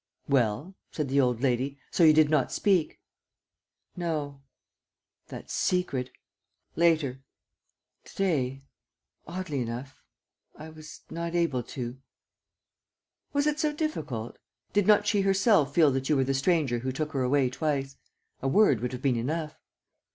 "Well," said the old lady, "so you did not speak?" "No. ..." "That secret ..." "Later. ... To day ... oddly enough ... I was not able to." "Was it so difficult? Did not she herself feel that you were the stranger who took her away twice. ... A word would have been enough.